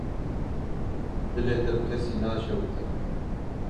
Dilê te bi kesî naşewite.